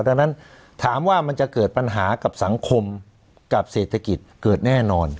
ดังนั้นถามว่ามันจะเกิดปัญหากับสังคมกับเศรษฐกิจเกิดแน่นอน